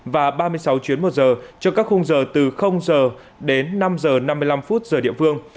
và ba mươi sáu chuyến một giờ cho các khung giờ từ giờ đến năm h năm mươi năm giờ địa phương